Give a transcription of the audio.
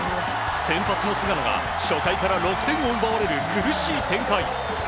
先発の菅野が初回から６点を奪われる苦しい展開。